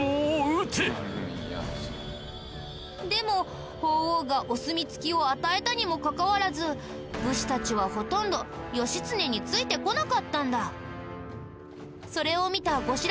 でも法皇がお墨付きを与えたにもかかわらず武士たちはほとんどそれを見た後白河法皇は。